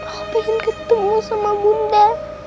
felt pengen ketemu sama bunda